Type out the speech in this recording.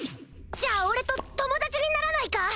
じゃあ俺と友達にならないか？